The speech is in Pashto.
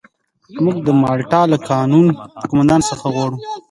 موږ د مالټا له قوماندان څخه غواړو.